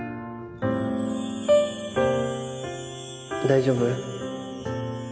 大丈夫？